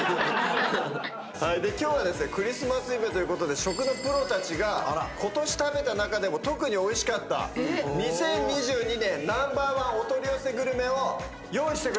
今日はクリスマスイブということで食のプロたちがことし食べた中でも特においしかった２０２２年Ｎｏ．１お取り寄せグルメを用意してくれました。